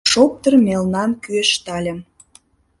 Шоптыр мелнам кӱэштальым.